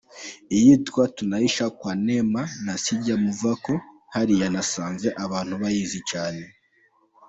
Iyitwa ’Tunaishi kwa Neema’ na ’Sijya Muvako’ hariya nasanze abantu bayizi cyane.